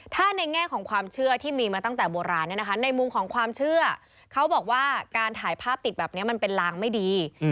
ถ้าในแง่ของความเชื่อที่มีมาตั้งแต่โบราณในมุมของความเชื่อเขาบอกว่าการถ่ายภาพติดแบบนี้มันเป็นลางไม่ดี